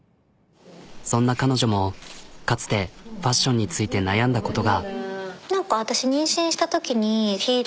そんな彼女もかつてファッションについて悩んだことが。